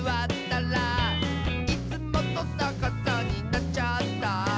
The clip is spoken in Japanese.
「いつもとさかさになっちゃった」